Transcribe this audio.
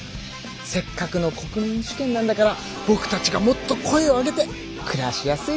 せっかくの国民主権なんだからぼくたちがもっと声を上げて暮らしやすい社会にしなくちゃね。